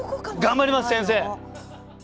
頑張ります先生！